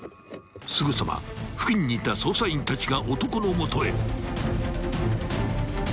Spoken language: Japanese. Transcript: ［すぐさま付近にいた捜査員たちが男の元へ］